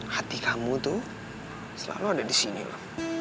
hati kamu tuh selalu ada di sini loh